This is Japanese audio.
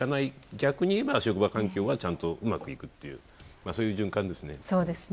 逆に言えば、職場環境がちゃんとうまくいくというそういう循環ですね。